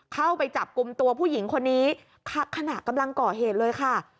เข้าไปจับกลุ่มตัวผู้หญิงคนนี้ขณะกำลังก่อเหตุเลยค่ะ